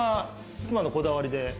妻のこだわりで。